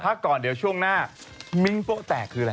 พักก่อนเดี๋ยวช่วงหน้ามิ้งโป๊ะแตกคืออะไร